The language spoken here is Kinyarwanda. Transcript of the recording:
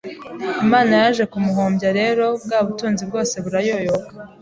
Imana yaje kumuhombya rero bwa butunzi bwose burayoyoka